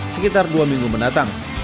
sekitar dua minggu mendatang